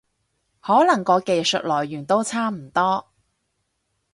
可能個技術來源都差唔多